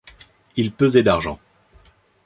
Il pesait d'argent.